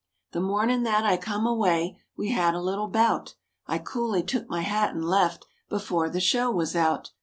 The mornin' that I come away, we had a little bout; I coolly took my hat and left, before the show was out.